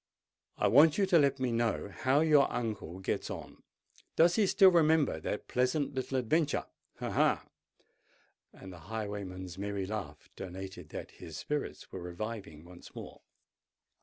"I want you to let me know how your uncle gets on. Does he still remember that pleasant little adventure—ha! ha!"—and the highwayman's merry laugh denoted that his spirits were reviving once more.